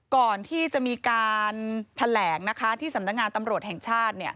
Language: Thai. ก่อนที่จะมีการแถลงที่สำนักงานตำรวจแห่งชาติ